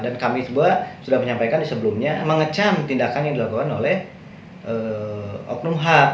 dan kami juga sudah menyampaikan sebelumnya mengecam tindakan yang dilakukan oleh oknum h